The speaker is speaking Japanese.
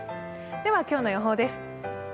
では今日の予報です。